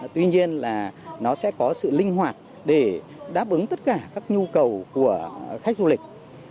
tuy nhiên là nó sẽ có sự linh hoạt để đáp ứng tất cả các nhu cầu của khách du lịch